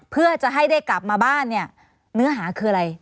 เพื่อจะให้ได้กลับมาบ้านเนี่ยเนื้อหาคืออะไร